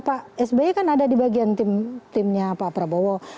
pak sby kan ada di bagian timnya pak prabowo